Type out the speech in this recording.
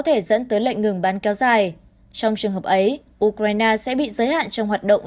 thể dẫn tới lệnh ngừng bắn kéo dài trong trường hợp ấy ukraine sẽ bị giới hạn trong hoạt động